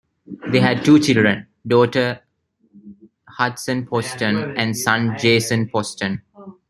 They had two children, daughter Hudson Poston and son Jason Poston.